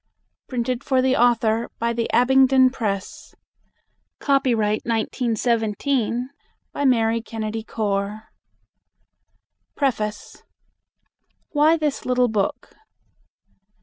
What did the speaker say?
PRINTED FOR THE AUTHOR BY THE ABINGDON PRESS Copyright, 1917, by Mary Kennedy Core. Preface. WHY THIS LITTLE BOOK.